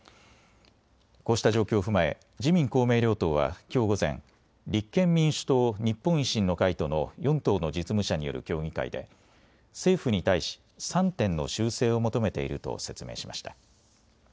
こうした状況を踏まえ自民公明両党は、きょう午前、立憲民主党、日本維新の会との４党の実務者による協議会で政府に対し３点の修正を求めていると説明しました。